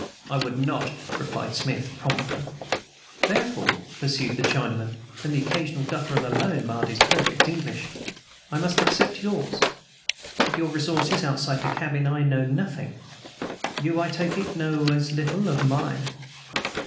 "I would not," replied Smith promptly. "Therefore," pursued the Chinaman, and the occasional guttural alone marred his perfect English, "I must accept yours. Of your resources outside this cabin I know nothing. You, I take it, know as little of mine.